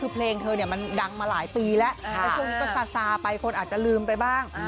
เพลงเธอดังมาหลายปีแล้วแต่ช่วงนี้ก็ซาไปคนอาจจะลืมไปบ้าง